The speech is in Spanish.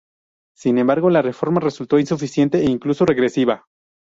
Sin embargo, la reforma resultó insuficiente e incluso regresiva.